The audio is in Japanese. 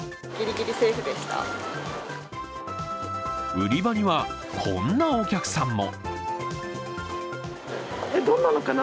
売り場にはこんなお客さんも。